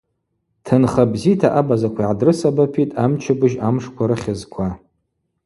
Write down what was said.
Тынха бзита абазаква йгӏадрысабапитӏ амчыбыжь амшква рыхьызква.